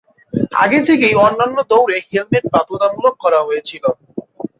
আগে থেকেই অন্যান্য দৌড়ে হেলমেট বাধ্যতামূলক করা হয়েছিল।